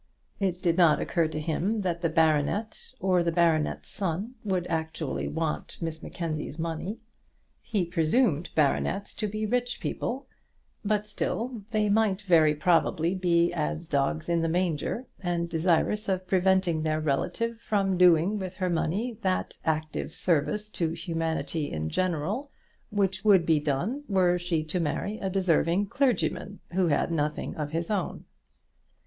It did not occur to him that the baronet or the baronet's son would actually want Miss Mackenzie's money. He presumed baronets to be rich people; but still they might very probably be as dogs in the manger, and desirous of preventing their relative from doing with her money that active service to humanity in general which would be done were she to marry a deserving clergyman who had nothing of his own.